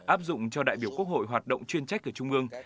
áp dụng cho đại biểu quốc hội hoạt động chuyên trách ở trung ương